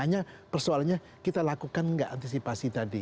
hanya persoalannya kita lakukan nggak antisipasi tadi